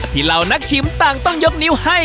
เหล่านักชิมต่างต้องยกนิ้วให้